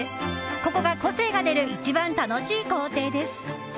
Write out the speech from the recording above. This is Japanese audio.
ここが、個性が出る一番楽しい工程です。